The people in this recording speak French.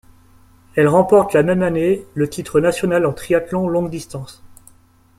Elle remporte la même année le titre national en triathlon longue distance.